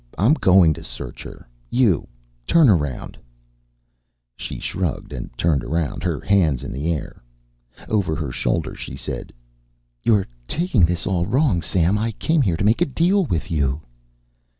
I'm going to search her. You! Turn around!" She shrugged and turned around, her hands in the air. Over her shoulder, she said: "You're taking this all wrong, Sam. I came here to make a deal with you."